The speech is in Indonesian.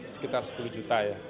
sekitar sepuluh juta ya